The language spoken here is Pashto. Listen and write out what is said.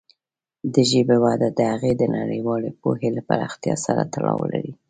د ژبې وده د هغې د نړیوالې پوهې پراختیا سره تړاو لري.